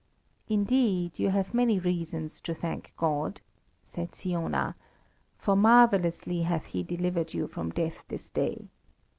"Indeed, you have many reasons to thank God," said Siona; "for marvellously hath He delivered you from death this day.